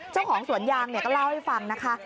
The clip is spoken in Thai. เจ้าของสวนยางก็เล่าให้ฟังนะคะ